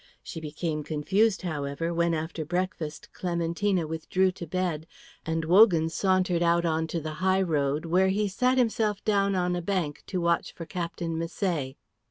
She became confused, however, when after breakfast Clementina withdrew to bed, and Wogan sauntered out into the high road, where he sat himself down on a bank to watch for Captain Misset.